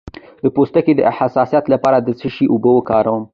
د پوستکي د حساسیت لپاره د څه شي اوبه وکاروم؟